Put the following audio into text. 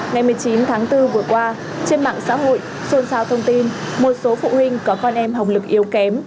ngày một mươi chín tháng bốn vừa qua trên mạng xã hội xôn xao thông tin một số phụ huynh có con em hồng lực yếu kém